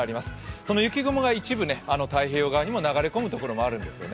その雪雲が一部、太平洋側に流れ込む所もあるんですよね。